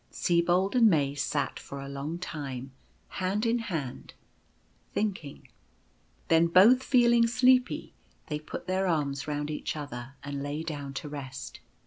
Sibold and May sat for a long time, hand in hand, thinking. Then both feeling sleepy, they put their arms round each other, and lay down to rest.